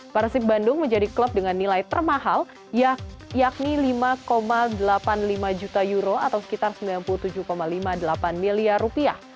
persib bandung menjadi klub dengan nilai termahal yakni lima delapan puluh lima juta euro atau sekitar sembilan puluh tujuh lima puluh delapan miliar rupiah